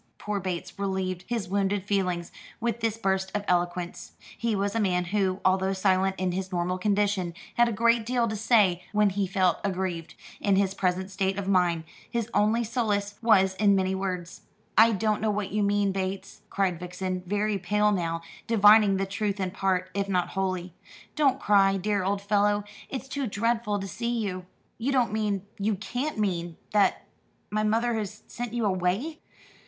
Poor Bates relieved his wounded feelings with this burst of eloquence. He was a man who, although silent in his normal condition, had a great deal to say when he felt aggrieved. In his present state of mind his only solace was in many words. "I don't know what you mean, Bates," cried Vixen, very pale now, divining the truth in part, if not wholly. "Don't cry, dear old fellow, it's too dreadful to see you. You don't mean you can't mean that my mother has sent you away?"